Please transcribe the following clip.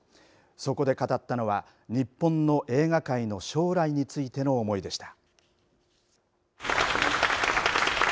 そこで語ったのは、日本の映画界の将来についての思いでした。